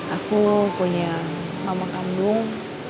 aku punya mama kandung